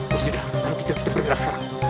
lepas itu kita bergerak sekarang